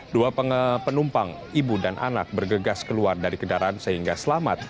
dua penumpang ibu dan anak bergegas keluar dari kendaraan sehingga selamat